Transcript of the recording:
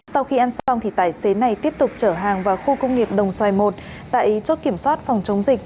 sau khi ăn xong thì tài xế này tiếp tục chở hàng vào khu công nghiệp đồng xoài i tại chốt kiểm soát phòng chống dịch